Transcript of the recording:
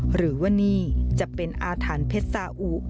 หรือว่านี่จะเป็นอาถรรพ์เพชรสาอุ